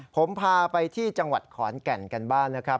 ผมพาไปที่จังหวัดขอนแก่นกันบ้างนะครับ